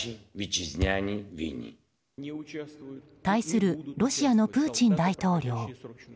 対するロシアのプーチン大統領。